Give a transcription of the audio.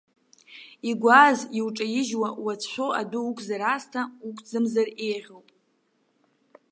Игәааз иуҿаижьуа уацәшәо адәы уқәзар аасҭа уқәӡамзар еиӷьуп.